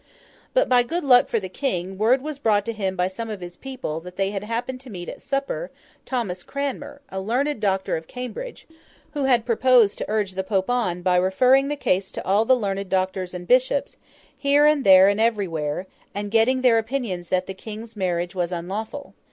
But by good luck for the King, word was brought to him by some of his people, that they had happened to meet at supper, Thomas Cranmer, a learned Doctor of Cambridge, who had proposed to urge the Pope on, by referring the case to all the learned doctors and bishops, here and there and everywhere, and getting their opinions that the King's marriage was unlawful.